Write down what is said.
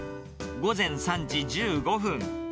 午前３時１５分。